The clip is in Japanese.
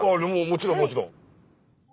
もちろんもちろん。